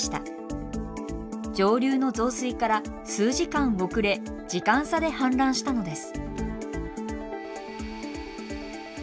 上流の増水から数時間遅れ時間差で氾濫したのです。